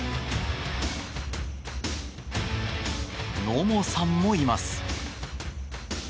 野茂さんもいます。